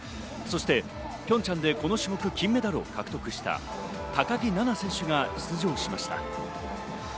そしてピョンチャンでこの種目、金メダルを獲得した高木菜那選手が出場しました。